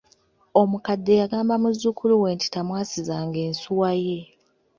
Omukadde yagamba muzzukulu we nti tamwasizanga ensuwa ye.